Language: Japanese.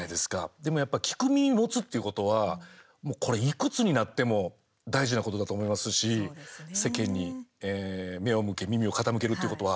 でもやっぱり聞く耳を持つっていうことはこれ、いくつになっても大事なことだと思いますし世間に目を向け耳を傾けるっていうことは。